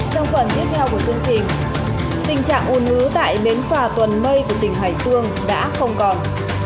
trong phần tiếp theo của chương trình tình trạng ồn ứ tại bến phà tuần mây của tỉnh hải dương đã không còn